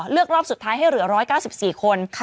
รอบสุดท้ายให้เหลือ๑๙๔คน